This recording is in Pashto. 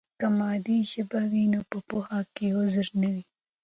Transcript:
که مادي ژبه وي نو په پوهه کې غدر نه وي.